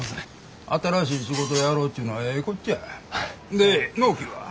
で納期は？